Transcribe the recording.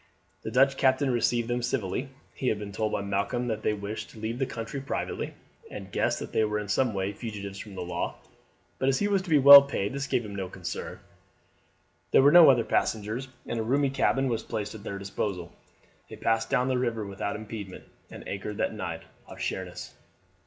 The Dutch captain received them civilly; he had been told by Malcolm that they wished to leave the country privately, and guessed that they were in some way fugitives from the law, but as he was to be well paid this gave him no concern. There were no other passengers, and a roomy cabin was placed at their disposal. They passed down the river without impediment, and anchored that night off Sheerness.